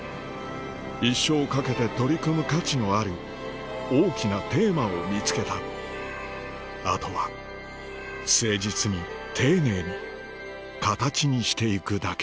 一生懸けて取り組む価値のある大きなテーマを見つけたあとは誠実に丁寧に形にしていくだけ